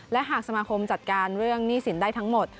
และหากสมาคมจัดการเรื่องหนี้สินได้ทั้งหมด